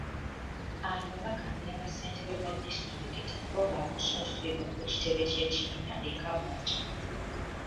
Ababaka ne bassentebe ba disitulikiti bbo baakusunsulibwa ku kitebe ky'ekibiina e Kamwokya.